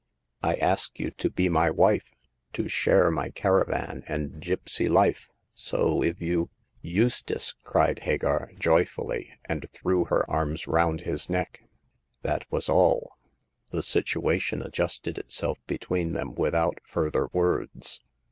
I ask you to be my wife— to share my caravan and gipsy life ; so if you "*' Eustace !" cried Hagar, joyfully, and threw her arms round his neck. That was all ; the situation adjusted itself between them without further words.